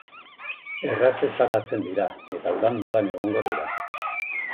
Erraz ezabatzen dira eta udan modan egongo dira.